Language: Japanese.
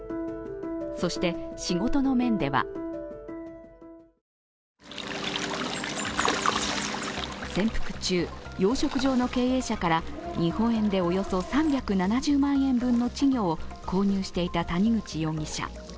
そして仕事の面では潜伏中、養殖場の経営者から日本円でおよそ３７０万円分稚魚を購入していた谷口容疑者。